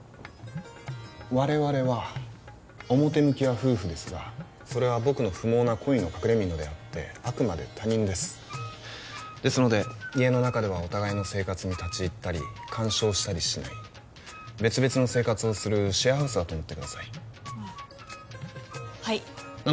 我々は表向きは夫婦ですがそれは僕の不毛な恋の隠れみのであってあくまで他人ですですので家の中ではお互いの生活に立ち入ったり干渉したりしない別々の生活をするシェアハウスだと思ってくださいああ